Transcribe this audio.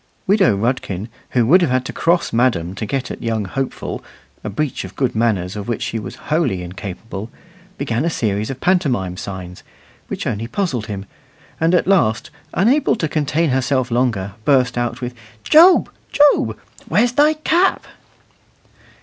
Widow Rudkin, who would have had to cross madam to get at young Hopeful a breach of good manners of which she was wholly incapable began a series of pantomime signs, which only puzzled him; and at last, unable to contain herself longer, burst out with, "Job! Job! where's thy cap?"